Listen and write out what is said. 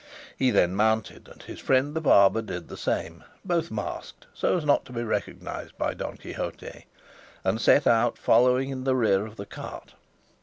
He then mounted and his friend the barber did the same, both masked, so as not to be recognised by Don Quixote, and set out following in the rear of the cart.